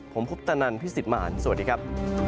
ผมพุทธนันทร์พี่สิทธิ์มารสวัสดีครับ